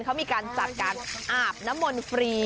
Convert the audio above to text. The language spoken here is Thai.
เขามีการจัดการอาบน้ำมนต์ฟรี